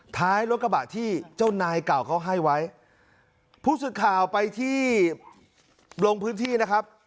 ท้ายรถกระบะที่เจ้านายเก่าเขาให้ไว้ผู้สื่อข่าวไปที่ลงพื้นที่นะครับ